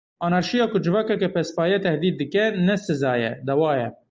Anarşiya ku civakeke pespaye tehdît dike, ne siza ye, dewa ye.